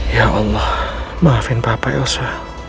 ya allah maafin bapak yosa